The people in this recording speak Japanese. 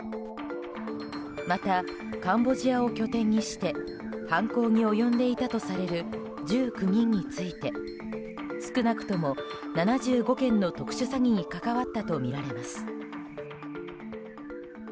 また、カンボジアを拠点にして犯行に及んでいたとされる１９人について少なくとも７５件の特殊詐欺に関わったとみられます。